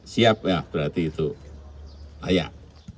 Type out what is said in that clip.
siap ya berarti itu layak